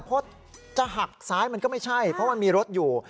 เพราะจะหักซ้ายมันก็ไม่ใช่เพราะมันมีรถอยู่